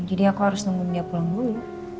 jadi aku harus nunggu dia pulang dulu